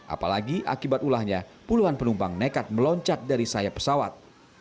apalagi akibat ulahnya puluhan penumpang nekat meloncat dari sayap pesawat